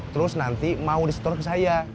terus nanti mau di store ke saya